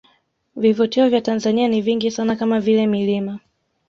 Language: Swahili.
Vivutio vya Tanzania ni vingi sana kama vile milima